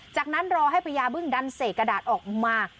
จากนั้นรอให้พญาบึ้งดันเสกกระดาษออกมา